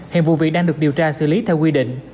hiện vụ việc đang được điều tra xử lý theo quy định